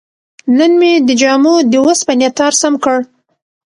نن مې د جامو د وسپنې تار سم کړ.